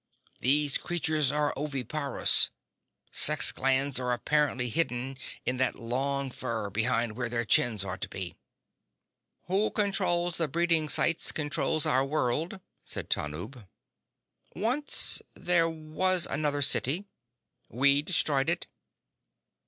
These creatures are oviparous. Sex glands are apparently hidden in that long fur behind where their chins ought to be."_ "Who controls the breeding sites controls our world," said Tanub. "Once there was another city. We destroyed it."